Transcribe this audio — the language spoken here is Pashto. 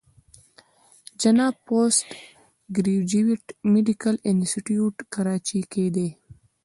جناح پوسټ ګريجويټ ميډيکل انسټيتيوټ کراچۍ کښې